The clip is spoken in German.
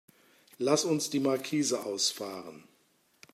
Lass uns die Markise ausfahren.